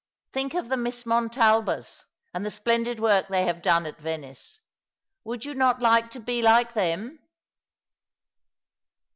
Think of the Miss Montalbas, and the splendid work they have done at Venice. Would you not like to be like them